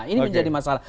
ini menjadi masalah